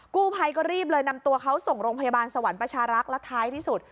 กู้ภัยก็รีบเลยนำตัวเขาส่งโรงพยาบาลสวรรค์ประชารักษ์แล้วท้ายที่สุด